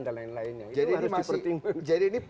dan lain lainnya jadi ini